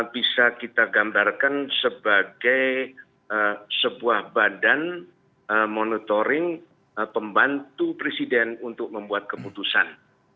bisa kita gambarkan sebagai sebuah badan monitoring pembantu presiden untuk membuat keputusan